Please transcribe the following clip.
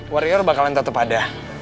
wario bakalan tetap ada